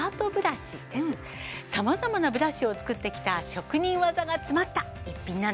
様々なブラシを作ってきた職人技が詰まった逸品なんです。